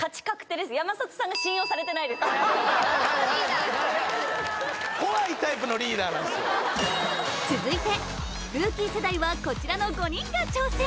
はいはいはいはい続いてルーキー世代はこちらの５人が挑戦！